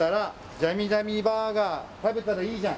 「ジャミジャミバーガー食べたらいいじゃん！」